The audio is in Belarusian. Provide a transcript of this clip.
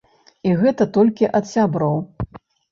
І гэта толькі ад сяброў.